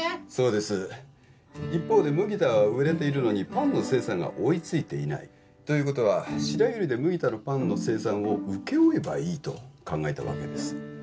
そうです一方で麦田は売れているのにパンの生産が追いついていないということは白百合で麦田のパンの生産を請け負えばいいと考えたわけです